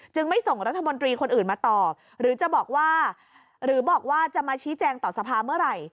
ไม่ส่งรัฐมนตรีคนอื่นมาต่อหรือจะบอกว่าหรือบอกว่าจะมาชี้แจงต่อสภาเมื่อไหร่